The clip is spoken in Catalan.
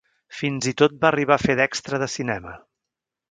Fins i tot va arribar a fer d'extra de cinema.